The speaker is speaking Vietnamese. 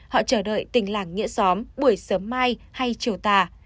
họ chờ đợi tình làng nghĩa xóm buổi sớm mai hay chiều tà